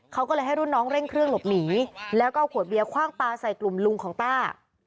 เขาก็เลยให้รุ่นน้องเร่งเครื่องหลบหนีแล้วก็เอาขวดเบียร์คว่างปลาใส่กลุ่มลุงของต้า